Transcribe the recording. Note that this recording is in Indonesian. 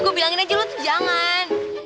gue bilangin aja lo tuh jangan